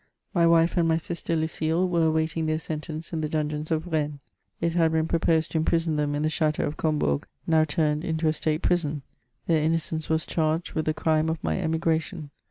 My wife and my sister Lucile were awaiting their sentence in the dungeons of Rennes ; it had been pro posed to imprison them in the chateau of Combourg, now turned into a state prison ; their innocence was charged with the crime of my emigration.